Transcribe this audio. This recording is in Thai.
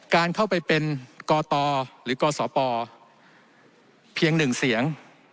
การเข้าไปเป็นกตหรือกศปเพียง๑เสียง